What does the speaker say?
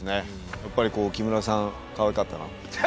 やっぱり木村さんかわいかったな。